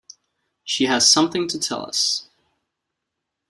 She has something to tell us.